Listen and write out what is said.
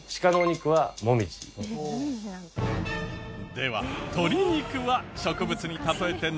では鶏肉は植物に例えてなんと言う？